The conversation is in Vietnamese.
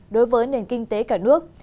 đối với nền kinh tế cả nước